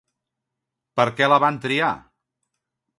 Per què la van triar?